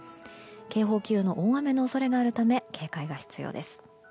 警報級の大雨の恐れがあるため警戒が必要です。